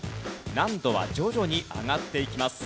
難度は徐々に上がっていきます。